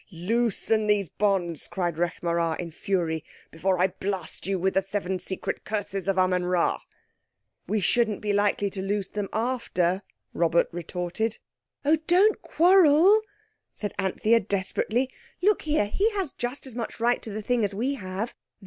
"Loosen these bonds!" cried Rekh marā in fury, "before I blast you with the seven secret curses of Amen Rā!" "We shouldn't be likely to loose them after," Robert retorted. "Oh, don't quarrel!" said Anthea desperately. "Look here, he has just as much right to the thing as we have.